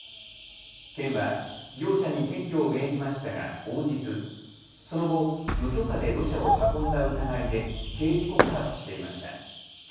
県は業者に撤去を命じましたが応じずその後、無許可で土砂を運んだ疑いで刑事告発していました。